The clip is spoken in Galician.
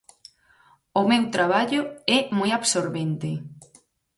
O meu traballo é moi absorbente.